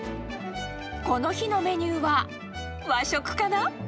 この日のメニューは和食かな？